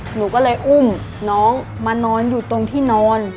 หนูก็เลยอุ้มน้องมานอนอยู่ตรงที่นอน